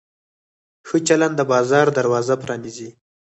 ښه چلند د بازار دروازه پرانیزي.